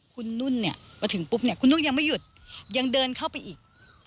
คุณนุ่นเนี่ยมาถึงปุ๊บเนี่ยคุณนุ่นยังไม่หยุดยังเดินเข้าไปอีก